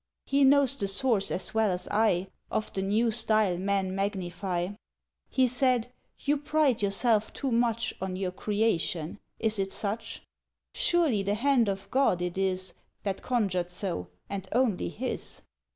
"He knows the source as well as I Of the new style men magnify. "He said: 'You pride yourself too much On your creation. Is it such? "'Surely the hand of God it is That conjured so, and only His!